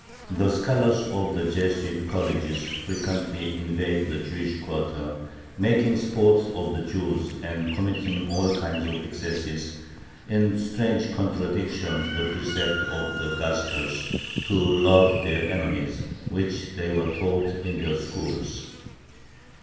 The scholars of the Jesuit colleges frequently invaded the Jewish quarter, making sport of the Jews and committing all kinds of excesses, in strange contradiction to the precept of the Gospels, to love their enemies, which they were taught in their schools.